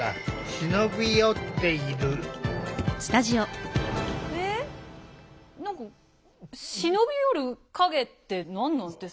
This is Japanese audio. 忍び寄る影って何なんですか？